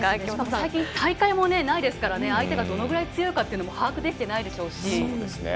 最近、大会もないですから相手がどのぐらい強いかというのも把握できてないでしょうし。